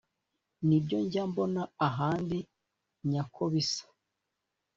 Nk’ibyo njya mbona ahandi nyako bisa!